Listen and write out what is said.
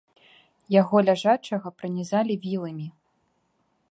Яго ляжачага пранізалі віламі.